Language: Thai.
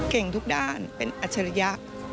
เก่งทุกด้านเป็นอัจฉริยะ